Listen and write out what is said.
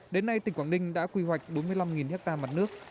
đến nay tỉnh quảng ninh đã quy hoạch bốn mươi năm ha mặt nước